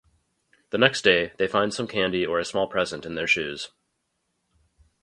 The next day they find some candy or a small present in their shoes.